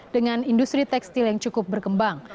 dengan industri tekstil yang cukup berkembang